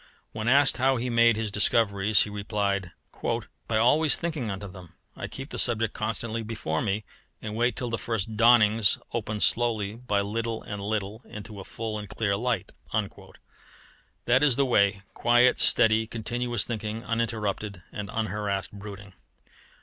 When asked how he made his discoveries, he replied: "By always thinking unto them. I keep the subject constantly before me, and wait till the first dawnings open slowly by little and little into a full and clear light." That is the way quiet, steady, continuous thinking, uninterrupted and unharassed brooding.